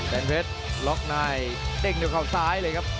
แบรนด์เพชรล็อกไนด์เต้นเดี๋ยวเข้าซ้ายเลยครับ